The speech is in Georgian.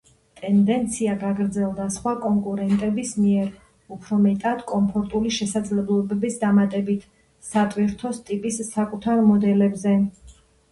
ტენდენცია გაგრძელდა სხვა კონკურენტების მიერ, უფრო მეტად კომფორტული შესაძლებლობების დამატებით, სატვირთოს ტიპის საკუთარ მოდელებზე.